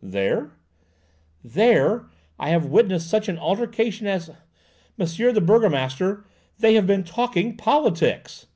"There I have witnessed such an altercation as—Monsieur the burgomaster, they have been talking politics!"